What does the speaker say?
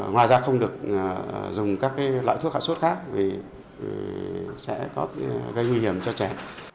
ngoài ra không được dùng các loại thuốc hạ sốt khác vì sẽ có gây nguy hiểm cho trẻ